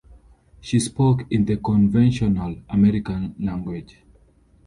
She spoke in the conventional American language.